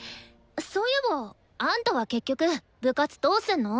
そういえばあんたは結局部活どうすんの？